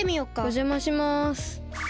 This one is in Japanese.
おじゃまします。